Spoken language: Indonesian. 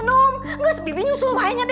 aduh kamu menyusul adik kamu